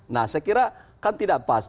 nah saya kira kan tidak pas